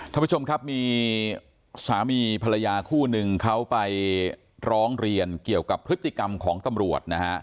ท่านผู้ชมครับมีสามีภรรยาคู่นึงเขาไปร้องเรียนเกี่ยวกับพฤติกรรมของตำรวจนะฮะ